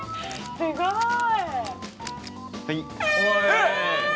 すごい。